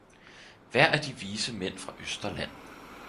Hver af de vise mænd fra Østerland!